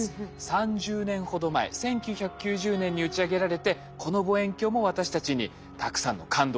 ３０年ほど前１９９０年に打ち上げられてこの望遠鏡も私たちにたくさんの感動と驚きを届けてくれました。